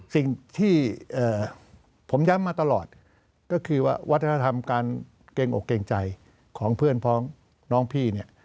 สิ่งที่ผมย้ำมาตลอดก็คือว่าวัฒนธรรมการเกรงอกเกรงใจของเพื่อนพร้อมน้องพี่เนี่ย